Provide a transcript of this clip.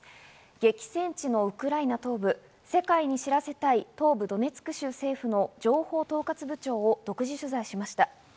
激戦地のウクライナ東部、世界に知らせたい東部ドネツク州政府の情報統括部長を独自取材しました。